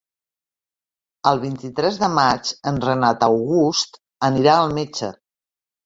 El vint-i-tres de maig en Renat August anirà al metge.